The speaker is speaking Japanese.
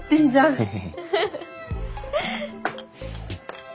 ヘヘヘ。